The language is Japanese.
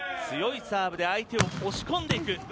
強いサーブで相手を押し込んでいく。